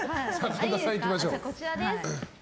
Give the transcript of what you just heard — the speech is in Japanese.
神田さん、いきましょう。